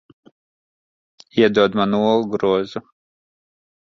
Iedod man olu grozu.